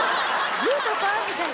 グーとパーみたい。